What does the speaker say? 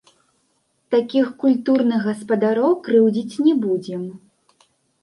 Такіх культурных гаспадароў крыўдзіць не будзем.